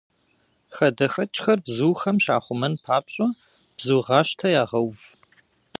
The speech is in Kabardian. Хадэхэкӏхэр бзухэм щахъумэн папщӏэ, бзугъащтэ ягъэув.